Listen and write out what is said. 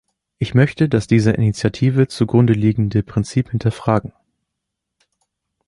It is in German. Ich möchte das dieser Initiative zugrunde liegende Prinzip hinterfragen.